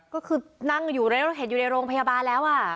ก็คือนั่งอยู่ในรถเข็นอยู่ในโรงพยาบาลแล้วอะ